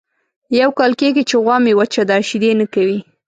یو کال کېږي چې غوا مې وچه ده شیدې نه کوي.